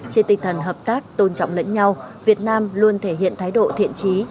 trên tinh thần hợp tác tôn trọng lẫn nhau việt nam luôn thể hiện thái độ thiện trí